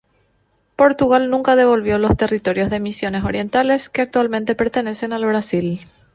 Portugal nunca devolvió los territorios de Misiones Orientales, que actualmente pertenecen al Brasil.